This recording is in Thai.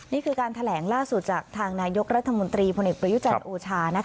นี่คือการแถลงล่าสุดจากทางนายกรัฐมนตรีพลเอกประยุจันทร์โอชา